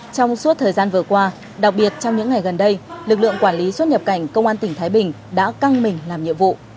trong suốt thời gian vừa qua đặc biệt trong những ngày gần đây lực lượng quản lý xuất nhập cảnh công an tỉnh thái bình đã căng mình làm nhiệm vụ